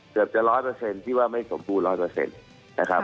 เกือบจะร้อยเปอร์เซ็นต์ที่ว่าไม่สมบูรณ์ร้อยเปอร์เซ็นต์นะครับ